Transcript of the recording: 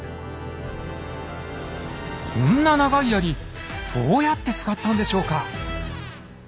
こんな長い槍どうやって使ったんでしょうか？